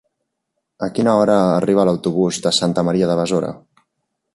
A quina hora arriba l'autobús de Santa Maria de Besora?